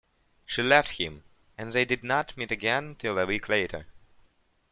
She left him and they did not meet again till a week later.